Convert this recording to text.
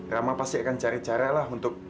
rama pasti akan cari cara lah untuk